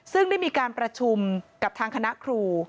ซึ่งได้มีการประชุมกับทางคณะครู